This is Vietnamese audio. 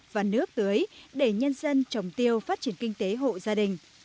và nước tưới để nhân dân trồng tiêu phát triển kinh tế hộ gia đình